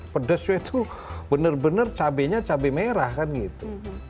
pedesnya itu benar benar cabainya cabai merah kan gitu